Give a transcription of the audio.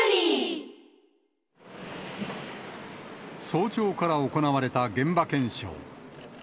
早朝から行われた現場検証。